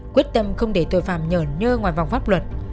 quyết tâm không để tội phạm nhờ nhơ ngoài vòng pháp luật